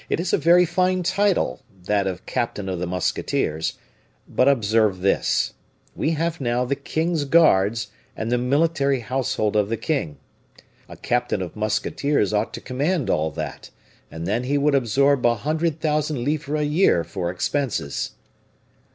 It is a very fine title, that of captain of the musketeers; but observe this: we have now the king's guards and the military household of the king. A captain of musketeers ought to command all that, and then he would absorb a hundred thousand livres a year for expenses."